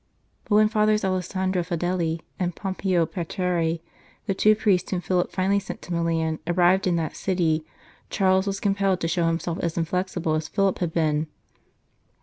But when Fathers Alessandro Fedeli and Pompeo Pateri, the two priests whom Philip finally sent to Milan, arrived in that city, Charles was compelled to show himself as inflexible as Philip had been.